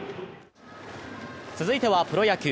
続いてはプロ野球。